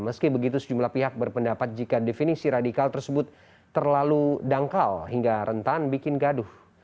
meski begitu sejumlah pihak berpendapat jika definisi radikal tersebut terlalu dangkal hingga rentan bikin gaduh